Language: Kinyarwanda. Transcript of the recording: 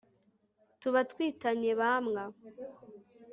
tuba twitanye bamwa